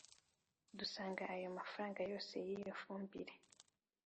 dusanga ayo mafaranga yose y’iyo fumbire